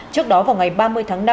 trước đó vào ngày ba mươi tháng năm